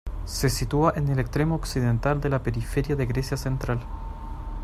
Se sitúa en el extremo occidental de la periferia de Grecia Central.